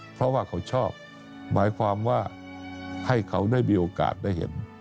เพราะว่าเขาชอบหมายความว่าให้เขาได้มีโอกาสได้เห็น